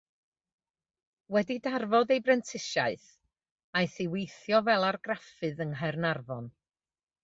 Wedi darfod ei brentisiaeth aeth i weithio fel argraffydd yng Nghaernarfon.